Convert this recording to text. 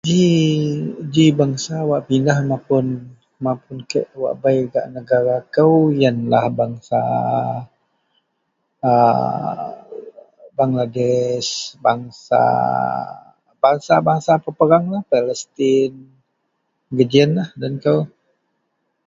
ji ji bangsa wak pindah mapun-mapun kek wak bei gak negara kou ienlah bangsa a a bangsa Bangladesh, bangsa, bangsa- bangsa peperanglah pelastin ji ienlah den kou